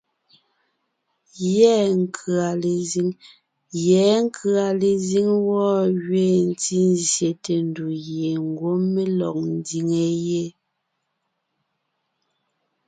Yɛ̌ nkʉ̀a lezíŋ wɔ́ gẅiin ntí zsyète ndù gie ngwɔ́ mé lɔg ńdiŋe yé.